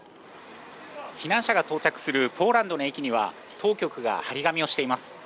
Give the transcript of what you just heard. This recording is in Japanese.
避難者が到着するポーランドの駅には当局が張り紙をしています。